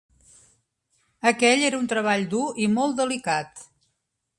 Aquell era un treball dur i molt delicat.